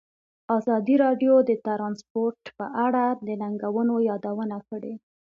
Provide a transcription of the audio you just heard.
ازادي راډیو د ترانسپورټ په اړه د ننګونو یادونه کړې.